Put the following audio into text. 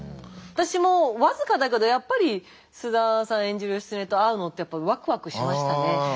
私も僅かだけどやっぱり菅田さん演じる義経と会うのってやっぱワクワクしましたね。